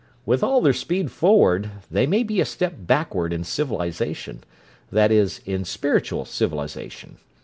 "With all their speed forward they may be a step backward in civilization—that is, in spiritual civilization.